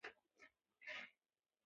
ادبیات زموږ د کلتور هنداره ده.